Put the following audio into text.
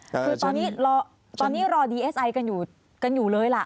คือตอนนี้รอดีเอสไอกันอยู่กันอยู่เลยล่ะ